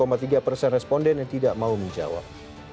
ada enam tiga responden yang tidak mau menjawab